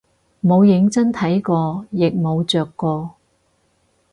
冇認真睇過亦冇着過